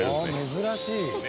珍しい。